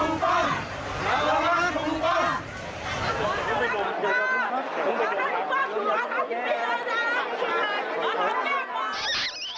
ไงไง